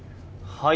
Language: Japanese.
はい。